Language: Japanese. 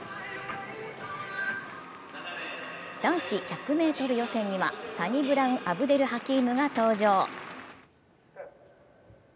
男子１００ｍ予選にはサニブラウン・アブデル・ハキームが登場。